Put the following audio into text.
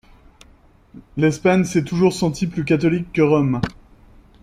L'Espagne s'est toujours sentie plus catholique que Rome.